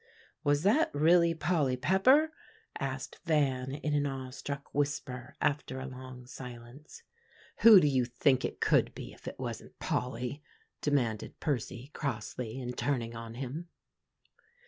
"Was that really Polly Pepper?" asked Van in an awe struck whisper, after a long silence. "Who did you think it could be if it wasn't Polly?" demanded Percy crossly, and turning on him.